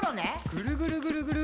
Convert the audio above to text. ぐるぐるぐるぐる。